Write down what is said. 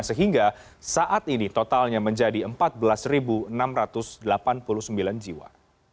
sehingga saat ini totalnya menjadi empat belas enam ratus delapan puluh sembilan jiwa